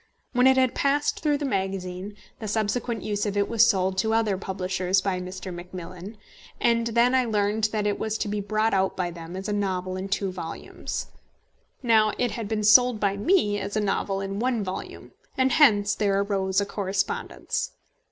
When it had passed through the magazine, the subsequent use of it was sold to other publishers by Mr. Macmillan, and then I learned that it was to be brought out by them as a novel in two volumes. Now it had been sold by me as a novel in one volume, and hence there arose a correspondence.